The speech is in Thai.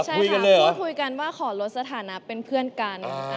พูดพูดกันว่าขอรถสถานาเป็นเพื่อนกัน